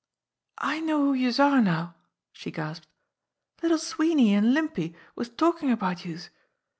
"I know who youse are now," she gasped. "Little Swee ney an' Limpy was talkin' about youse.